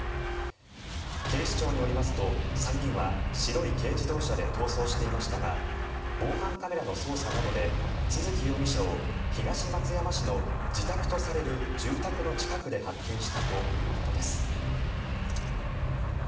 警視庁によりますと３人は白い軽自動車で逃走していましたが防犯カメラの捜査などで都築容疑者を東松山市の自宅とされる住宅の近くで発見したということです。